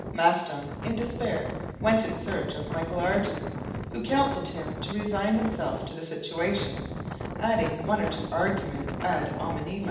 Maston, in despair, went in search of Michel Ardan, who counseled him to resign himself to the situation, adding one or two arguments ad hominem.